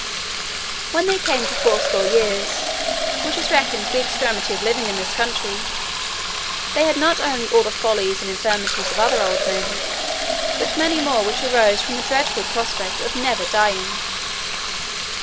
When they came to fourscore years, which is reckoned the extremity of living in this country, they had not only all the follies and infirmities of other old men, but many more which arose from the dreadful prospect of never dying.